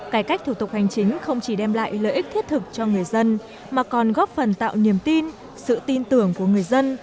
cải cách thủ tục hành chính không chỉ đem lại lợi ích thiết thực cho người dân mà còn góp phần tạo niềm tin sự tin tưởng của người dân